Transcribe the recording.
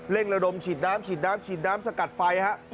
ระดมฉีดน้ำฉีดน้ำฉีดน้ำสกัดไฟฮะ